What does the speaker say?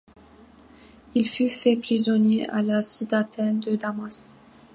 Il fut fait prisonnier à la Citadelle de Damas.